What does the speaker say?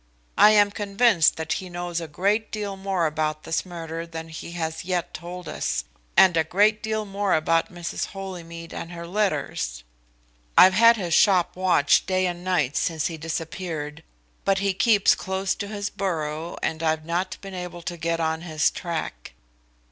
I am convinced that he knows a great deal more about this murder than he has yet told us, and a great deal more about Mrs. Holymead and her letters. I've had his shop watched day and night since he disappeared, but he keeps close to his burrow, and I've not been able to get on his track."